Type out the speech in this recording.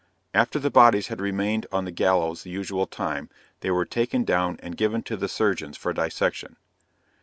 After the bodies had remained on the gallows the usual time, they were taken down and given to the surgeons for dissection.